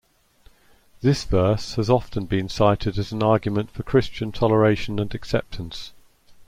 This verse has often been cited as an argument for Christian toleration and acceptance.